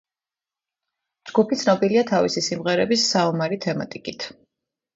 ჯგუფი ცნობილია თავისი სიმღერების საომარი თემატიკით.